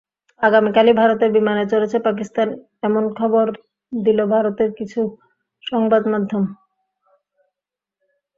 আগামীকালই ভারতের বিমানে চড়ছে পাকিস্তান, এমন খবর দিল ভারতের কিছু সংবাদমাধ্যম।